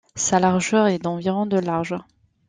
Sa largeur est d'environ de large.